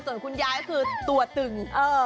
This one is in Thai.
ส่วนคนยายคือตัวตึง